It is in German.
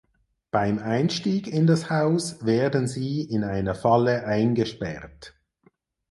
Beim Einstieg in das Haus werden sie in einer Falle eingesperrt.